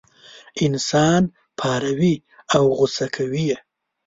انسان پاروي او غوسه کوي یې.